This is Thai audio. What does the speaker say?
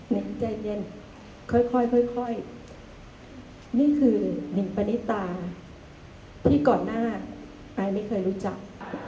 นิ่งใจเย็นค่อยค่อยค่อยค่อยนี่คือนิ่งปณิตาที่ก่อนหน้าไอ้ไม่เคยรู้จัก